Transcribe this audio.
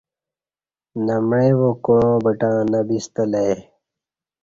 نہ معی وا کُعاں بٹں نہ بِستہ لہ ای